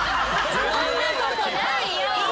そんなことないよ！